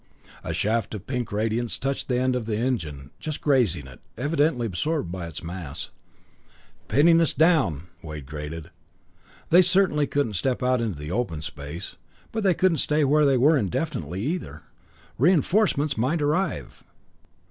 A shaft of pink radiance reached the end of the engine, just grazing it, evidently absorbed by its mass. "Pinning us down," Wade grated. They certainly couldn't step out into the open space but they couldn't stay where they were indefinitely, either. Reinforcements might arrive!